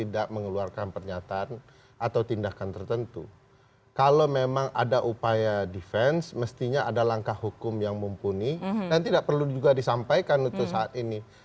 dan kita harus respect terhadap siapapun